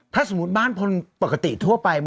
ถ้าสมมุติบ้านคนปกติทั่วไป